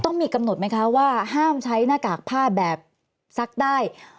ต้องมีกำหนดไหมคะว่าห้ามใช้หน้ากากผ้าแบบซักได้